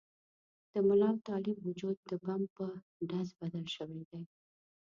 د ملا او طالب وجود د بم په ډز بدل شوي دي.